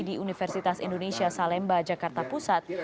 di universitas indonesia salemba jakarta pusat